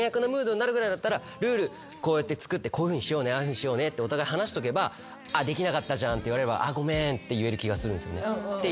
ルールこうやって作ってこういうふうにしようねああいうふうにしようねってお互い話しとけば「できなかったじゃん」って言われれば「ごめん」って言える気がするんですよね。